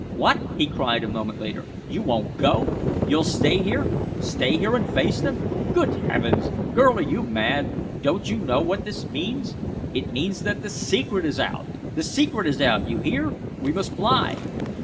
What!" he cried a moment later. "You won't go? You'll stay here stay here and face them? Good Heavens! girl, are you mad? Don't you know what this means? It means that the secret is out the secret is out, you hear! We must fly!"